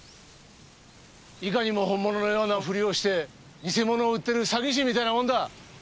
いかにも本物のようなふりをして偽物を売ってる詐欺師みたいなもんだ。